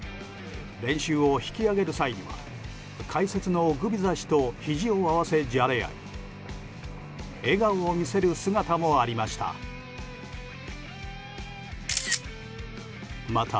練習を引き上げる際には解説のグビザ氏とひじを合わせじゃれ合い笑顔を見せる姿もありました。